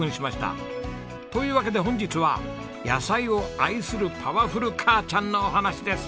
というわけで本日は野菜を愛するパワフル母ちゃんのお話です。